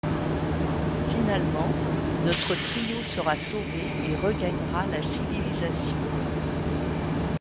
Finalement notre trio sera sauvé et regagnera la civilisation.